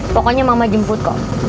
pokoknya mama jemput kok